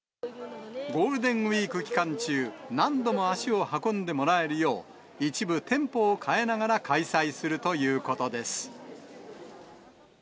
ゴールデンウィーク期間中、何度も足を運んでもらえるよう、一部店舗を変えながら開催するということです。